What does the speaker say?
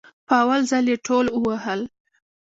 په اول ځل يي ټول ووهل